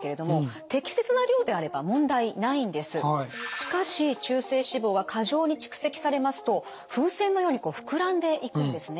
しかし中性脂肪は過剰に蓄積されますと風船のように膨らんでいくんですね。